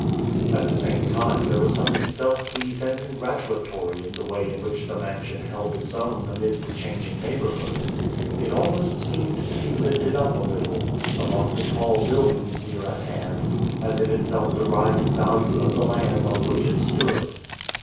At the same time there was something self pleased and congratulatory in the way in which the mansion held its own amid the changing neighborhood. It almost seemed to be lifted up a little, among the tall buildings near at hand, as if it felt the rising value of the land on which it stood.